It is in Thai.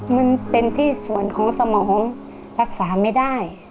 มันเป็นที่ส่วนของสมองรักษาไม่ได้